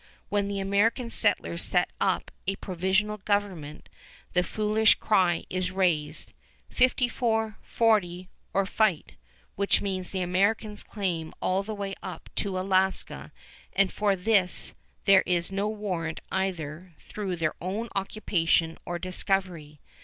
When the American settlers set up a provisional government, the foolish cry is raised, "54, 40 or fight," which means the Americans claim all the way up to Alaska, and for this there is no warrant either through their own occupation or discovery.